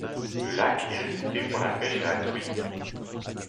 Le lac est réputé pour la pêche à la truite.